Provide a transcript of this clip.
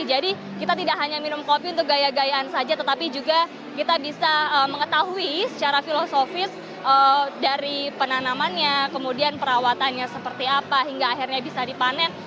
jadi kita tidak hanya minum kopi untuk gaya gayaan saja tetapi juga kita bisa mengetahui secara filosofis dari penanamannya kemudian perawatannya seperti apa hingga akhirnya bisa dipanen